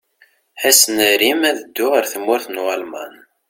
Ass n Arim, ad dduɣ ar tmurt n Walman.